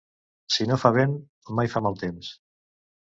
Si no fa vent, mai fa mal temps.